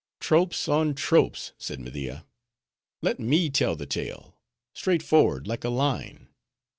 "Tropes on tropes!" said. Media. "Let me tell the tale,—straight forward like a line.